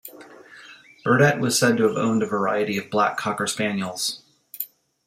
Burdett was said to have owned a variety of black Cocker Spaniels.